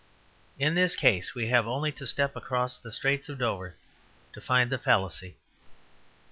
In this case we have only to step across the Straits of Dover to find the fallacy.